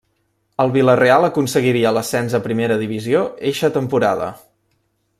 El Vila-real aconseguiria l'ascens a primera divisió eixa temporada.